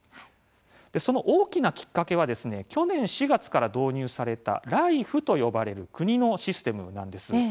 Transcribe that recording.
その大きなきっかけは去年４月から導入されたＬＩＦＥと呼ばれる国のシステムなんです。